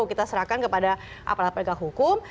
kita serahkan kepada aparat penegak hukum